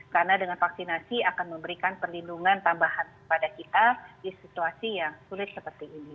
karena dengan vaksinasi akan memberikan perlindungan tambahan pada kita di situasi yang sulit seperti ini